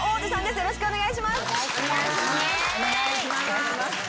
よろしくお願いします。